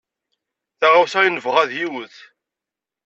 Taɣawsa i nebɣa d yiwet.